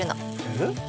えっ？